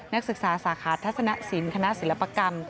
นักศึกษาสาขาทัศนสินคณะศิลปกรรม